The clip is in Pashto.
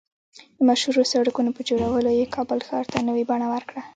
د مشهورو سړکونو په جوړولو یې کابل ښار ته نوې بڼه ورکړه